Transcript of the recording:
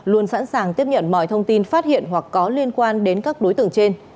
luôn sẵn sàng tiếp nhận mọi thông tin phát hiện hoặc có liên quan đến các đối tượng trên